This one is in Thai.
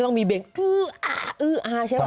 ก็ต้องมีเบงอื้ออออื้อออใช่ไหม